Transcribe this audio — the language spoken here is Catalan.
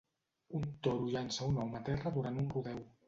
Un toro llança a un home a terra durant un rodeo.